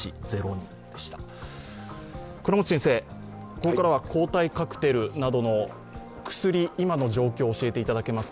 ここからは抗体カクテルなどの薬、今の状況を教えていただけますか。